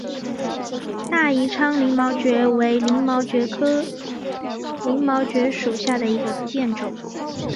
大宜昌鳞毛蕨为鳞毛蕨科鳞毛蕨属下的一个变种。